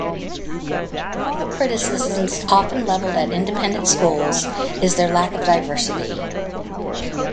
One of the criticisms often leveled at independent schools is their lack of diversity.